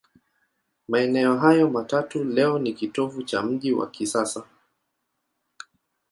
Maeneo hayo matatu leo ni kitovu cha mji wa kisasa.